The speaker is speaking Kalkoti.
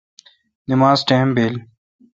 نماز ٹیم بیل۔